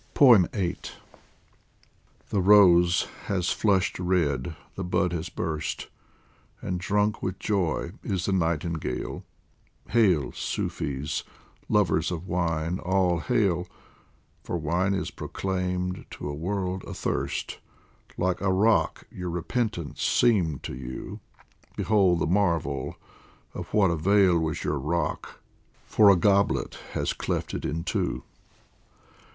VIII THE rose has flushed red, the bud has burst, And drunk with joy is the nightingale Hail, Sufis ! lovers of wine, all hail ! For wine is proclaimed to a world athirst. Like a rock your repentance seemed to you ; Behold the marvel ! of what avail Was your rock, for a goblet has cleft it in two